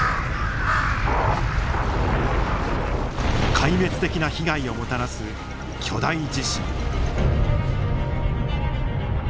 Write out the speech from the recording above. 壊滅的な被害をもたらす巨大地震。